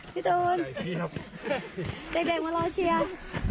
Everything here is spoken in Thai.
พี่ตูนเด็กมารอเชียร์